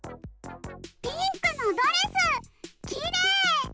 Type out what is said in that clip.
ピンクのドレスきれい！